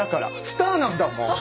スターなんだもん。